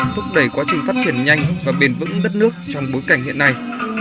thúc đẩy quá trình phát triển nhanh và bền vững đất nước trong bối cảnh hiện nay